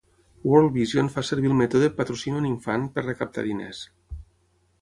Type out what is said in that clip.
World Vision fa servir el mètode "Patrocina un infant" per recaptar diners.